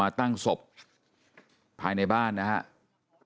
ตั้งศพภายในบ้านนะครับ